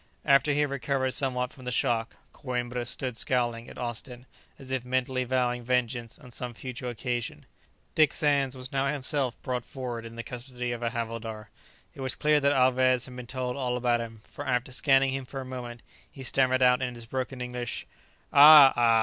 After he had recovered somewhat from the shock, Coïmbra stood scowling at Austin, as if mentally vowing vengeance on some future occasion. Dick Sands was now himself brought forward in the custody of a havildar. It was clear that Alvez had been told all about him, for after scanning him for a moment, he stammered out in his broken English, "Ah! ah!